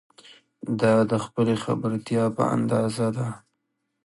دا د خپلې خبرتیا په اندازه ده.